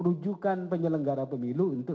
rujukan penyelenggara pemilu untuk